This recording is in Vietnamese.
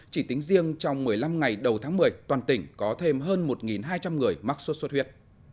chỉ tính riêng trong một mươi năm ngày đầu tháng một mươi toàn tỉnh có thêm hơn một hai trăm linh người mắc sốt xuất huyết